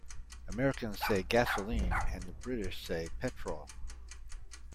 Americans say gasoline and the British say petrol.